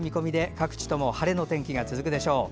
各地とも晴れの天気が続くでしょう。